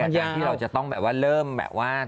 ที่เราจะต้องแบบว่าเริ่มแบบว่า